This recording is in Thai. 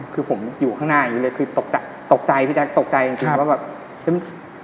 คือผมอยู่ข้างหน้าอย่างนี้เลยคือตกใจพี่แจ๊คตกใจจริงว่าแบบ